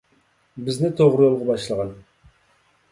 بىزنى توغرا يولغا باشلىغىن،